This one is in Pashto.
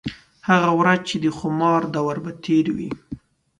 هغه ورځ چې د خومار دَور به تېر وي